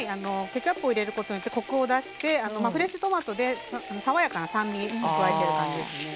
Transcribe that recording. ケチャップを入れることによってコクを出してフレッシュトマトで爽やかな酸味を加えてる感じですね。